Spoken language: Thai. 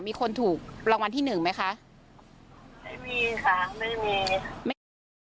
มีคนถูกรางวัลที่หนึ่งไหมคะไม่มีค่ะไม่มี